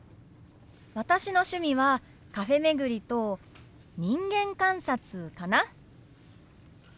私の趣味はカフェ巡りと人間観察かな。